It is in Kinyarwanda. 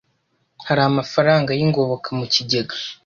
hari amafaranga y ingoboka mu kigega